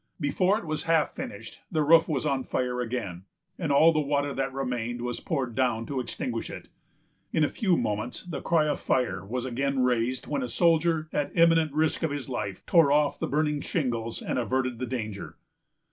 Before it was half finished, the roof was on fire again, and all the water that remained was poured down to extinguish it. In a few moments, the cry of fire was again raised, when a soldier, at imminent risk of his life, tore off the burning shingles and averted the danger.